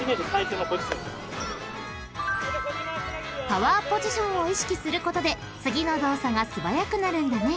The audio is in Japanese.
［パワーポジションを意識することで次の動作が素早くなるんだね］